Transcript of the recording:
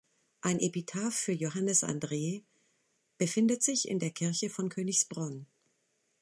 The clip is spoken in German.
Ein Epitaph für Johannes Andreae befindet sich in der Kirche von Königsbronn.